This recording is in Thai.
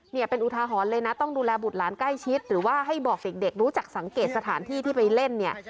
เนี่ยเป็นอุทาหรณ์เลยนะต้องดูแลบุตรหลานใกล้ชิดหรือว่าให้บอกเด็กรู้จักสังเกตสถานที่ที่ไปเล่นเนี่ย